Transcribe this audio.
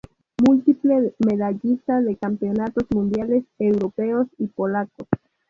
Múltiple medallista de Campeonatos Mundiales, Europeos y Polacos.